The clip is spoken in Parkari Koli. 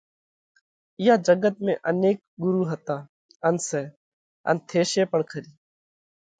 اِيئا جڳت ۾ انيڪ ڳرُو ھتا ان سئہ ان ٿيشي پڻ کري۔